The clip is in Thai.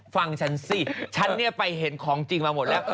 ฟังฉันสิฉันเนี่ยไปเห็นของจริงมาหมดแล้ว